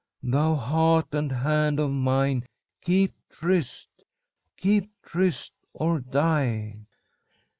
Thou heart and hand of mine, keep tryst Keep tryst or die!'